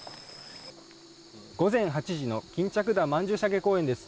午前８時の曼殊沙華公園です。